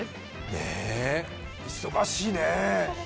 忙しいね。